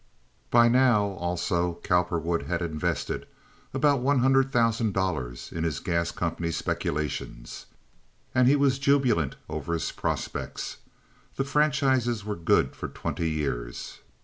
By now also, Cowperwood had invested about one hundred thousand dollars in his gas company speculations, and he was jubilant over his prospects; the franchises were good for twenty years.